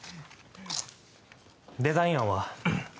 デザイン案は？